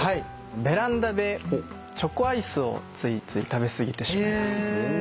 ベランダでチョコアイスをついつい食べすぎてしまいます。